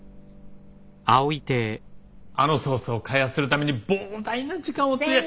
あのソースを開発するために膨大な時間を費やした。